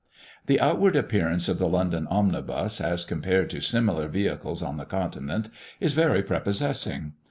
The outward appearance of the London omnibus, as compared to similar vehicles on the Continent, is very prepossessing.